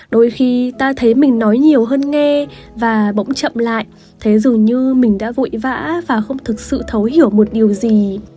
đôi khi ta thấy mình nói nhiều hơn nghe và bỗng chậm lại thế dù như mình đã vội vã và không thực sự thấu hiểu một điều gì